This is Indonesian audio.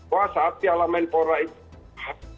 wah saat piala menpora itu